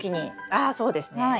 ああそうですね。